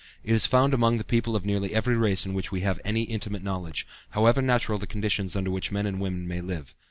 It is found among the people of nearly every race of which we have any intimate knowledge, however natural the conditions under which men and women may live.